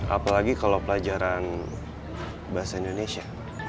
apalagi kalau pelajaran bahasa indonesia